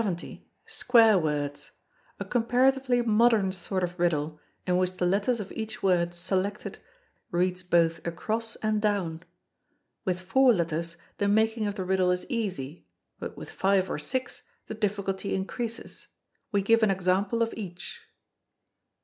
Square Words. A comparatively modern sort of riddle, in which the letters of each word selected reads both across and down. With four letters the making of the riddle is easy, but with five or six the difficulty increases. We give an example of each.